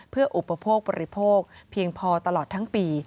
เพื่ออุปโภคบริโภคเพียงพอตลอดทั้งปี